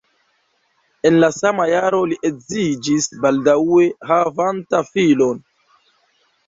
En la sama jaro li edziĝis baldaŭe havanta filon.